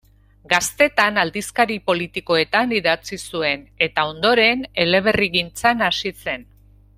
Gaztetan aldizkari politikoetan idatzi zuen, eta ondoren eleberrigintzan hasi zen.